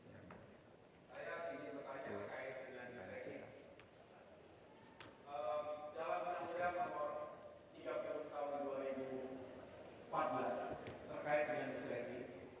terkait dengan diskresi